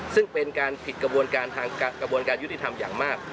ซึ่งเป็นการผิดกระบวนการทางกระบวนการยุติธรรมอย่างมาก